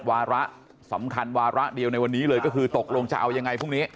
วาระสำคัญวาระเดียวในวันนี้เลยก็คือตกลงจะเอายังไงพรุ่งนี้